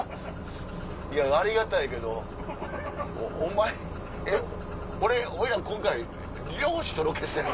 いやありがたいけどお前えっ俺俺ら今回漁師とロケしてんの？